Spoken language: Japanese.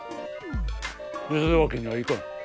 ゆずるわけにはいかん！